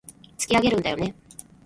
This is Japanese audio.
突き上げるんだよね